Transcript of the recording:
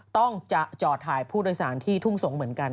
ต้องจะจอดถ่ายผู้โดยสารที่ทุ่งสงศ์เหมือนกัน